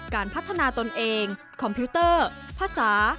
การพัฒนาตนเองคอมพิวเตอร์ภาษา